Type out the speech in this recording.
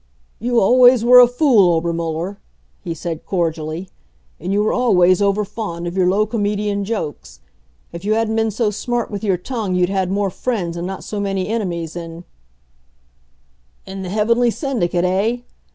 "You always were a fool, Obermuller," he said cordially. "And you were always over fond of your low comedian jokes. If you hadn't been so smart with your tongue, you'd had more friends and not so many enemies in " "In the heavenly Syndicate, eh?